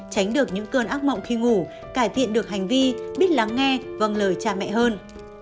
tránh được những cơn ác mộng khi ngủ cải thiện được hành vi biết lắng nghe vâng lời cha mẹ hơn